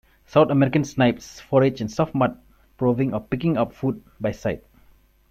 South American snipes forage in soft mud, probing or picking up food by sight.